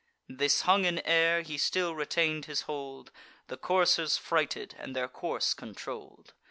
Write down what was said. Thus hung in air, he still retain'd his hold, The coursers frighted, and their course controll'd.